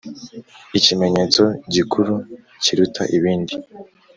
Ikimenyetso gikuru kiruta ibindi.